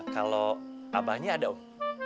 kalau abahnya ada om